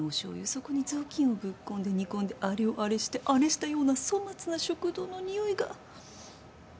そこに雑巾をぶっ込んで煮込んであれをあれしてあれしたような粗末な食堂のにおいが。